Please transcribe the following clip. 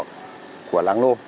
của làng nôm